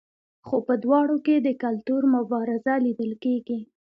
خو په دواړو کې د کلتور مبارزه لیدل کیږي.